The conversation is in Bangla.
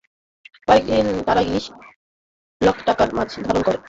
কয়েক দিনে তাঁরা ইলিশ, গুইজ্যা, চান্দাসহ কয়েক লাখ টাকার মাছ আহরণ করেন।